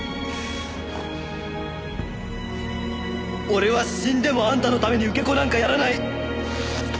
俺は死んでもあんたのために受け子なんかやらない！